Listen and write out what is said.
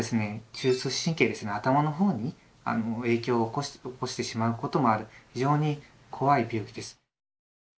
中枢神経ですね頭の方に影響を起こしてしまうこともある非常に怖い病気です。